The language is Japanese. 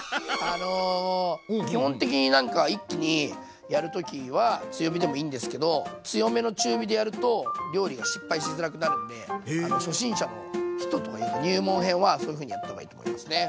あの基本的になんか一気にやる時は強火でもいいんですけど強めの中火でやると料理が失敗しづらくなるんで初心者の人入門編はそういうふうにやった方がいいと思いますね。